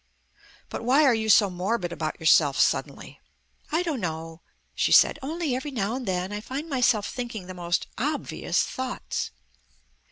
"But why are you so morbid about yourself suddenly?" "I don't know," she said. "Only every now and then I find myself thinking the most obvious thoughts."